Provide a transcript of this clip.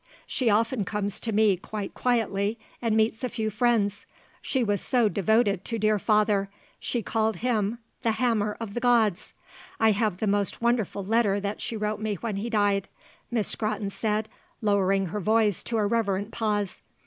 She often comes to me quite quietly and meets a few friends. She was so devoted to dear father; she called him The Hammer of the Gods. I have the most wonderful letter that she wrote me when he died," Miss Scrotton said, lowering her voice to a reverent pause.